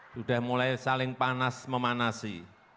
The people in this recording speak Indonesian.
sudah mulai saling panas memanasi